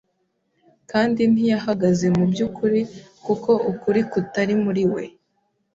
kandi ntiyahagaze mu by’ukuri kuko ukuri kutari muri we.